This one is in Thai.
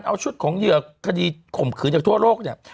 เอาชุดของเหยื่อคดีข่มขืนจากทั่วโลกเนี่ย